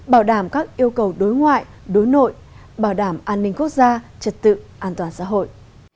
bảo đảm các yêu cầu đối ngoại đối nội bảo đảm an ninh quốc gia trật tự an toàn xã hội